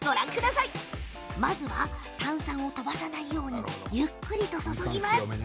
まずは、炭酸を飛ばさないようゆっくりと注ぎます。